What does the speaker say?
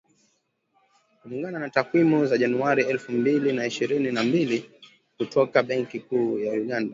Kulingana na takwimu za Januari elfu mbili na ishirini na mbili kutoka Benki Kuu ya Uganda